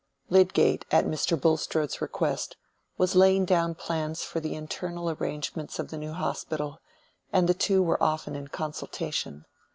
Lydgate, at Mr. Bulstrode's request, was laying down plans for the internal arrangements of the new hospital, and the two were often in consultation.